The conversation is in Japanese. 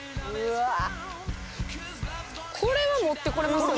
これは持ってこれますよね。